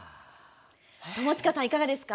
友近さん、いかがですか？